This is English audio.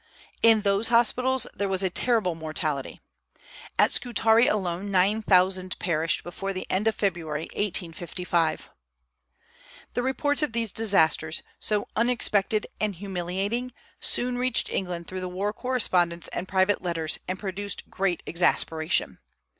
In those hospitals there was a terrible mortality. At Scutari alone nine thousand perished before the end of February, 1855. The reports of these disasters, so unexpected and humiliating, soon reached England through the war correspondents and private letters, and produced great exasperation.